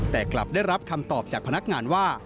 แต่กลับได้รับคำตอบจากพนักงานว่า